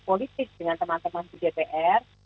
politik dengan teman teman di dpr